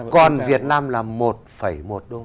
còn việt nam là một một đô